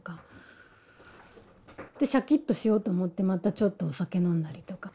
でシャキッとしようと思ってまたちょっとお酒飲んだりとか。